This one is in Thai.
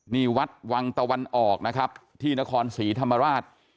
นี่วัดวังตะวันออกนะครับที่นครศรีธรรมราช